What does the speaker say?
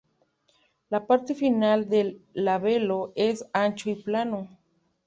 La parte final del labelo es ancho y plano.